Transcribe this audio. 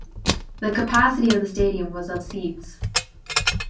The capacity of the stadium was of seats.